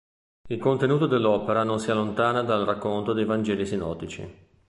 Il contenuto dell'opera non si allontana dal racconto dei vangeli sinottici.